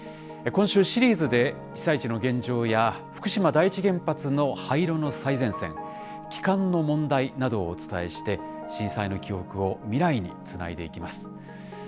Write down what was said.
今週、シリーズで被災地の現状や福島第一原発の廃炉の最前線、帰還の問題などをお伝えして、震災の記憶を未来につないでいきます。